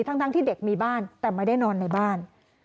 ทั้งที่เด็กมีบ้านแต่ไม่ได้นอนในบ้าน